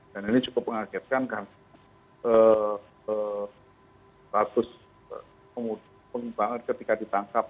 dan ini cukup mengagetkan karena kasus penghubung banget ketika ditangkap